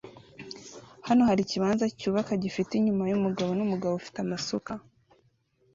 Hano hari ikibanza cyubaka gifite inyuma yumugabo numugabo ufite amasuka